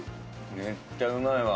めっちゃうまいわ。